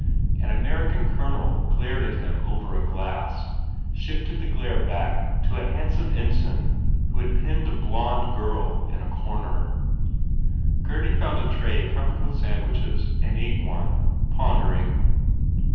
An American colonel glared at him over a glass, shifted the glare back to a handsome ensign who had penned a blond girl in a corner. Gurdy found a tray covered with sandwiches and ate one, pondering.